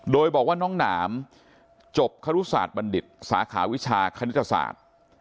โดยบอกว่าน้องหนามจบครุศาสตร์บัณฑิตสาขาวิชาคณิตศาสตร์